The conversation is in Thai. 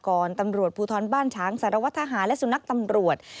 ตำรวจภูทรบ้านช้างสารวัตทหารและสุนัขตำรวจ